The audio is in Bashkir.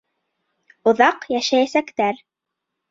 Оҙаҡ йәшәйәсәктәр...